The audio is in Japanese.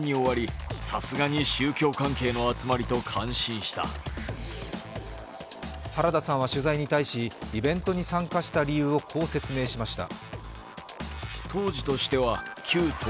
自身のＳＮＳには当時原田さんは取材に対し、イベントに参加した理由をこう説明しました。